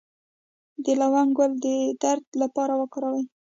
د لونګ ګل د درد لپاره وکاروئ